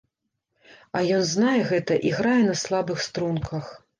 А ён знае гэта і грае на слабых струнках.